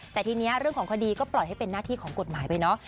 แต่ทีนี้เรื่องของคดีก็ปล่อยให้เป็นหน้าที่ของกฎหมายไปเนาะ